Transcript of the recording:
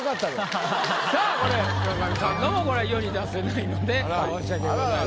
さあこれ村上さんのもこれ世に出せないので申し訳ございません。